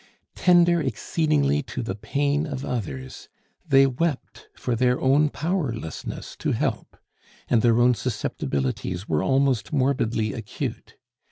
Tender exceedingly to the pain of others, they wept for their own powerlessness to help; and their own susceptibilities were almost morbidly acute.